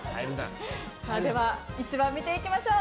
では１番見ていきましょう。